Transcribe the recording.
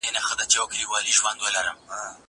زه کولای سم سیر وکړم!